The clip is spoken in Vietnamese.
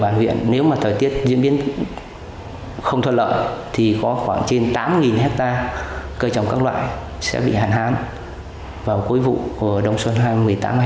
bản viện nếu mà thời tiết diễn biến không thuận lợi thì có khoảng trên tám hectare cây trồng các loại sẽ bị hạn hán vào cuối vụ của đông xuân hai nghìn một mươi tám hai nghìn một mươi